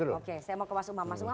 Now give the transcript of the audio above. oke saya mau kemasuk masuk